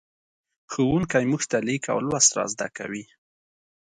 ښوونکی موږ ته لیک او لوست را زدهکوي.